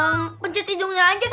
hmm pencet tijungnya aja kak